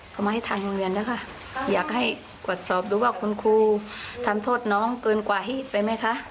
ก็มาให้ทางโรงเรียนนะคะอยากให้กวดสอบดูว่าคุณครูทำโทษน้องเกินกว่าเหตุไปไหมคะ